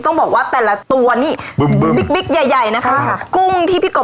ต้องบอกว่าแต่ละตัวนี่บึ้มบึมบิ๊กบิ๊กใหญ่ใหญ่นะคะกุ้งที่พี่กบ